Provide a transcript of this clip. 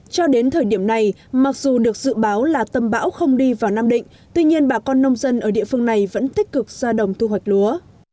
cho đến thời điểm này mặc dù được dự báo là tâm bão không đi vào nam định tuy nhiên bà con nông dân ở địa phương này vẫn tích cực ra đồng thu hoạch lúa